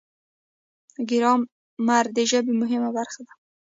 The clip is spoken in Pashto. ګرامر د ژبې مهمه برخه ده.